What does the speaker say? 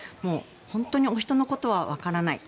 本当にお人のことはわからない。